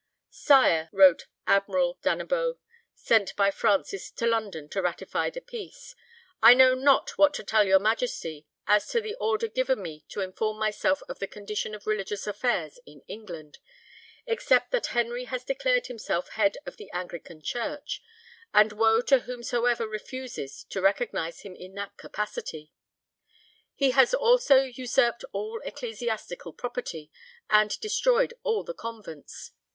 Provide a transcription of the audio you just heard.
"Sire," wrote Admiral d'Annebaut, sent by Francis to London to ratify the peace, "I know not what to tell your Majesty as to the order given me to inform myself of the condition of religious affairs in England; except that Henry has declared himself head of the Anglican Church, and woe to whomsoever refuses to recognise him in that capacity. He has also usurped all ecclesiastical property, and destroyed all the convents.